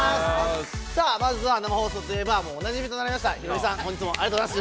さあ、まずは生放送といえば、もうおなじみとなりました、ヒロミさん、本日もありがとうございます。